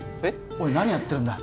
おい何やってるんだ？